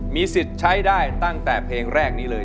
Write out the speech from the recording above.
มีสิทธิ์ใช้ได้ตั้งแต่เพลงแรกนี้เลย